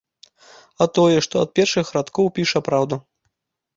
А тое, што ад першых радкоў піша праўду.